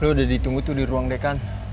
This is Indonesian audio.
lo udah ditunggu tuh di ruang dekan